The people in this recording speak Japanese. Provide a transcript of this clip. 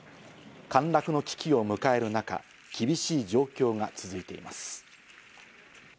陥落の危機を迎えるなか厳しい状況が続いています。